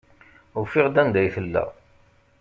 Ufiɣ-d anda ay tella.